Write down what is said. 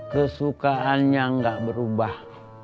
kesukaannya gak berubah